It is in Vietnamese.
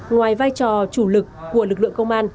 ngoài vai trò chủ lực của lực lượng công an